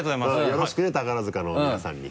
よろしくね宝塚の皆さんに。